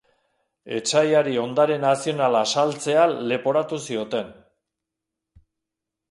Etsaiari ondare nazionala saltzea leporatu zioten.